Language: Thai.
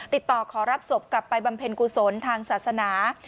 ติดต่อขอรับศพกลับไปบำเพ็ญกุศลทางศาสนา